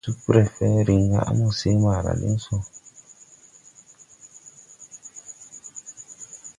Supɛrfɛ riŋ ra ga a mo see ɓaara liŋ sɔ.